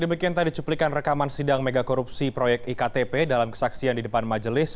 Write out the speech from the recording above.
demikian tadi cuplikan rekaman sidang megakorupsi proyek iktp dalam kesaksian di depan majelis